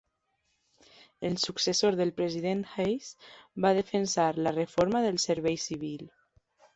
El successor del president Hayes, va defensar la reforma del Servei Civil.